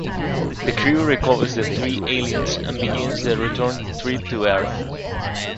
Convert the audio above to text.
The crew recovers the three aliens and begins the return trip to Earth.